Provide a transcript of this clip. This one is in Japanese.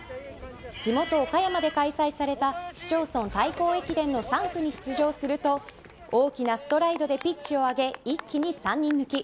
地元・岡山で開催された市町村対抗駅伝の３区に出場すると大きなストライドでピッチを上げ一気に３人抜き。